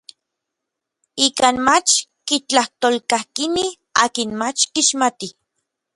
Ikan mach kitlajtolkakinij akin mach kixmatij.